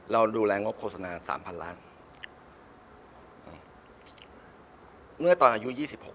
เราดูแลงบโฆษณาสามพันล้านเมื่อตอนอายุ๒๖